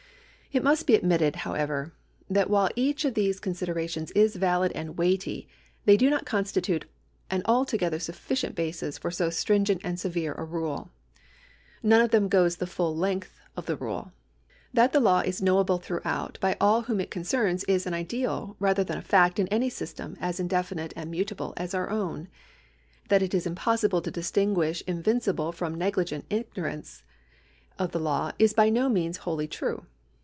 It must be admitted, however, that while each of these considerations is valid and weighty, they do not constitute an altogether sufhcient basis for so stringent and severe a rule.' None of them goes the full length of the rule. That the law is knowable throughout by all whom it concerns is an ideal rather than a fact in any system as indefinite and mutable as our OAvn. That it is impossible to distinguish invincible from negligent ignorance of the law is by no means wholly true.